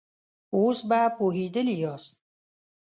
اوس به پوهېدلي ياست.